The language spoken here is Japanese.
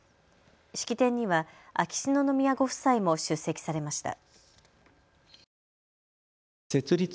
式典には秋篠宮ご夫妻も出席されました。